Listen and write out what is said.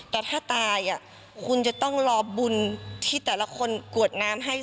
แต่ถ้าตายคุณจะต้องรอบุญที่แต่ละคนกวดน้ำให้